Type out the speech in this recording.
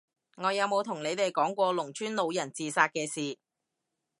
我有冇同你哋講過農村老人自殺嘅事？